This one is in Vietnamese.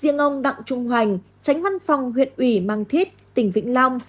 riêng ông đặng trung hoành tránh văn phòng huyện ủy mang thít tỉnh vĩnh long